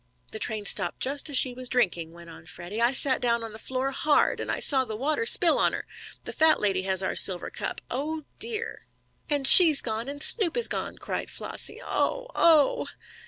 "The train stopped just as she was drinking," went on Freddie. "I sat down on the floor hard, and I saw the water spill on her. The fat lady has our silver cup! Oh, dear!" "And she's gone and Snoop is gone!" cried Flossie. "Oh! oh!"